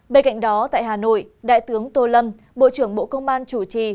bên cạnh đó tại hà nội đại tướng tô lâm bộ trưởng bộ công an chủ trì